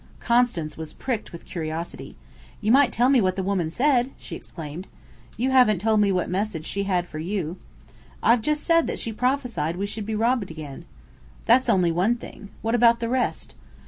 Constance was pricked with curiosity. "You might tell me what the woman said!" she exclaimed. "You haven't told me what message she had for you." "I've just said that she prophesied we should be robbed again." "That's only one thing. What about the rest?"